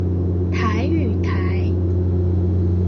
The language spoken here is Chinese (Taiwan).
台語台